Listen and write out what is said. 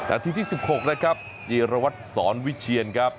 อาทิตย์ที่๑๖นะครับจีรวัตรศรวิเชียรครับ